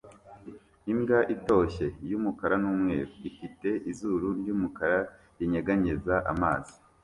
Imbwa itoshye y'umukara n'umweru ifite izuru ry'umukara rinyeganyeza amazi